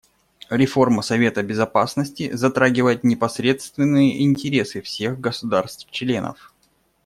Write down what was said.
Реформа Совета Безопасности затрагивает непосредственные интересы всех государств-членов.